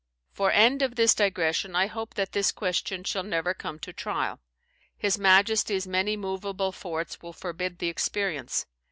"For end of this digression, I hope that this question shall never come to trial; his majestie's many moveable forts will forbid the experience.